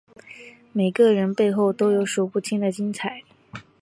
每个人背后都有数不清的精彩